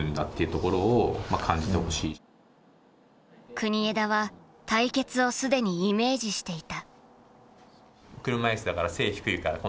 国枝は対決を既にイメージしていた。